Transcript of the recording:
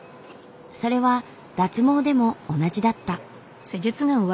それは脱毛でも同じだった。